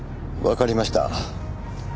わかりました。